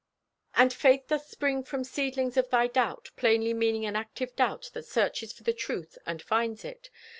"And faith doth spring from seedlings of thy doubt!" plainly meaning an active doubt that searches for the truth and finds it.